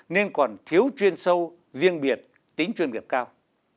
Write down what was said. nên còn thiếu chuyên sâu riêng biệt tính chuyên nghiệp cao